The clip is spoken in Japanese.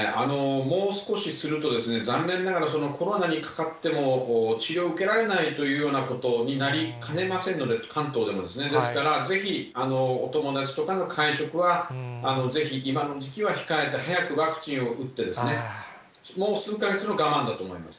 もう少しすると、残念ながらコロナにかかっても、治療を受けられないというようなことになりかねませんので、関東でも、ですから、ぜひ、お友達とかとの会食は、ぜひ、今の時期は控えて、早くワクチンを打って、もう数か月の我慢だと思います。